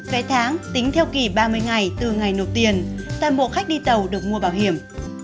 vé tháng tính theo kỳ ba mươi ngày từ ngày nộp tiền toàn bộ khách đi tàu được mua bảo hiểm